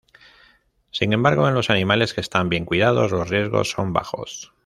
Sin embargo, en los animales que están bien cuidados, los riesgos son bajos.